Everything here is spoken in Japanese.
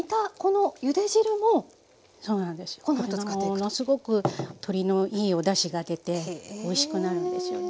ものすごく鶏のいいおだしが出ておいしくなるんですよね。